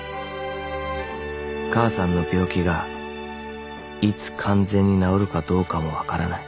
［母さんの病気がいつ完全に治るかどうかも分からない］